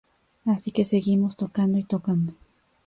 Así que seguimos tocando y tocando.